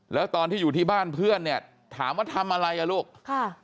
แล้วตอนที่อยู่ที่บ้านเพื่อนเนี่ยถามว่าทำอะไรอ่ะลูกค่ะ